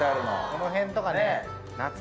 この辺とかね。